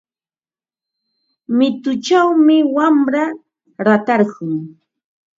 Mituchawmi wamra ratarqun.